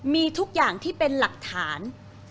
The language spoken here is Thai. มีทุกอย่างที่เป็นหลักฐาน